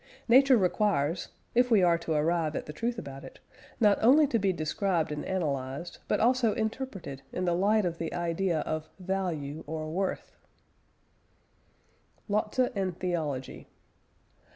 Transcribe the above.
Nature requires, if we are to arrive at the truth about it, not only to be described and analysed, but also interpreted in the light of the idea of value or worth. LOTZE AND THEOLOGY.